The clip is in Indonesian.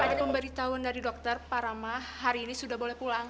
sepada pemberitahuan dari dokter pak rama hari ini sudah boleh pulang